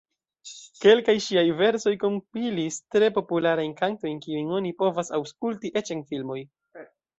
Kelkaj ŝiaj versoj kompilis tre popularajn kantojn, kiujn oni povas aŭskulti eĉ en filmoj.